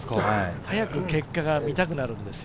早く結果が見たくなるんですよ。